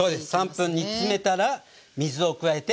３分煮詰めたら水を加えて５分煮ます。